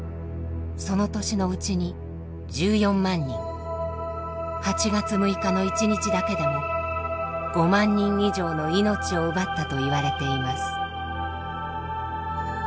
その年のうちに１４万人８月６日の一日だけでも５万人以上の命を奪ったといわれています。